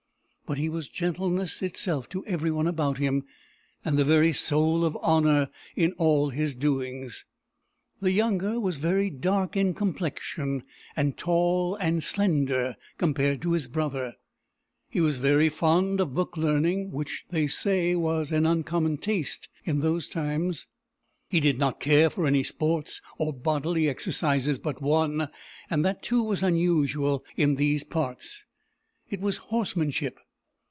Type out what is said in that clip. But he was gentleness itself to every one about him, and the very soul of honour in all his doings. The younger was very dark in complexion, and tall and slender compared to his brother. He was very fond of book learning, which, they say, was an uncommon taste in those times. He did not care for any sports or bodily exercises but one; and that, too, was unusual in these parts. It was horsemanship.